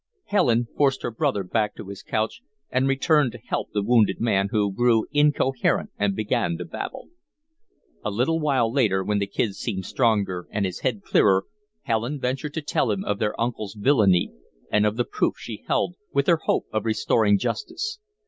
Helen forced her brother back to his couch, and returned to help the wounded man, who grew incoherent and began to babble. A little later, when the Kid seemed stronger and his head clearer, Helen ventured to tell him of their uncle's villany and of the proof she held, with her hope of restoring justice.